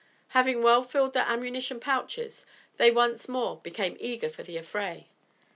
Having well filled their ammunition pouches they once more became eager for the affray.